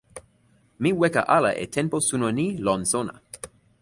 mi weka ala e tenpo suno ni lon sona.